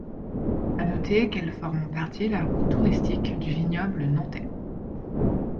À noter qu'elle forme en partie la route touristique du vignoble nantais.